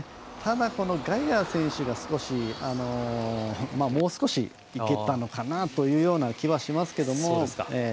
ただ、ガイガー選手がもう少しいけたのかなというような気はしますけども。